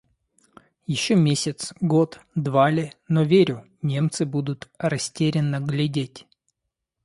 Еще месяц, год, два ли, но верю: немцы будут растерянно глядеть